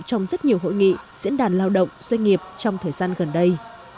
trong rất nhiều hội nghị diễn đàn lao động doanh nghiệp trong thời gian gần đây